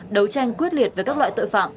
đấu tranh quyết liệt về các loại tội phạm